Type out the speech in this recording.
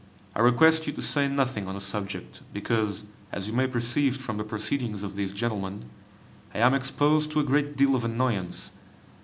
I request you to say nothing on the subject, because, as you may perceive from the proceedings of these gentlemen, I am exposed to a great deal of annoyance.